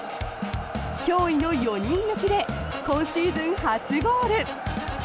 驚異の４人抜きで今シーズン初ゴール！